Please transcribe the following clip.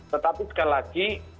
tetapi sekali lagi